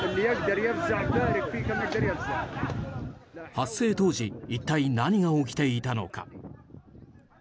発生当時一体何が起きていたのか。